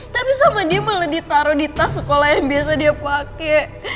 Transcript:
tapi sama dia malah ditaruh di tas sekolah yang biasa dia pakai